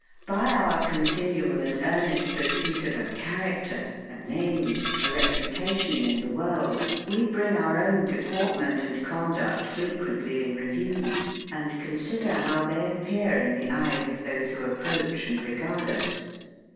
By our continual and earnest pursuit of a character, a name, a reputation in the world, we bring our own deportment and conduct frequently in review, and consider how they appear in the eyes of those who approach and regard us.